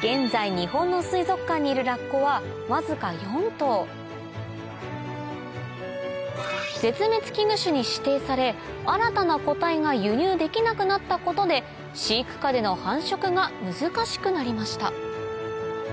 現在日本の水族館にいるラッコはわずか４頭絶滅危惧種に指定され新たな個体が輸入できなくなったことで飼育下での繁殖が難しくなりました